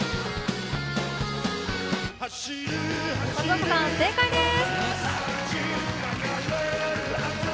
松岡さん、正解です！